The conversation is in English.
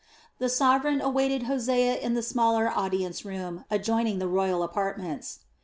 The sovereign awaited Hosea in the smaller audience room adjoining the royal apartments.